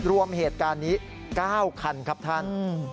รวมเหตุการณ์นี้๙คันครับท่าน